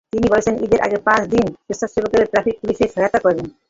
তিনি বলেছেন, ঈদের আগে পাঁচ দিন স্বেচ্ছাসেবকেরা ট্রাফিক পুলিশকে সহায়তা করবেন।